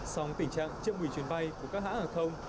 song tình trạng chậm hủy chuyến bay của các hãng hàng không